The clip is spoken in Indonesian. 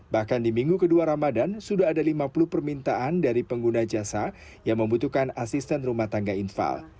bahkan di minggu kedua ramadan sudah ada lima puluh permintaan dari pengguna jasa yang membutuhkan asisten rumah tangga infal